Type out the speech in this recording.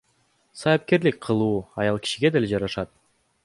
Саяпкерлик кылуу аял кишиге деле жарашат